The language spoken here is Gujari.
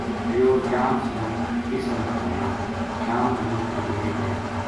؎رُپیو چار سو اس نا تھایو شام نا مُڑ کے ڈیرے آ یو